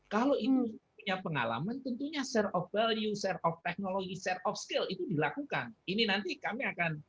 kalau itu punya pengalaman tentunya share of value share of technology share of skill itu dilakukan ini nanti kami akan